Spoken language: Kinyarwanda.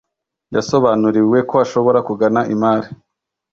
yasobanuriwe ko ashobora kugana imari